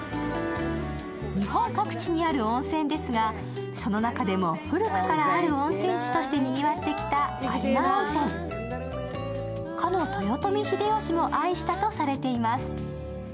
日本各地にある温泉ですが、その中でも古くからある温泉地としてにぎわってきた有馬温泉。かの豊臣秀吉も愛したとされています。